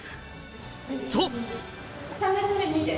と！